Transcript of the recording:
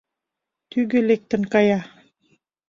Тӱгӧ лектын кая.